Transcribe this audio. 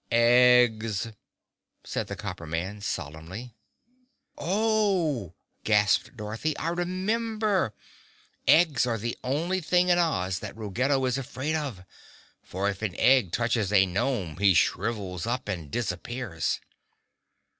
"Eggs," said the Copper Man solemnly. "Oh!" gasped Dorothy, "I remember. Eggs are the only things in Oz that Ruggedo is afraid of; for if an egg touches a gnome he shrivels up and disappears."